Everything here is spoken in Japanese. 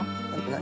何？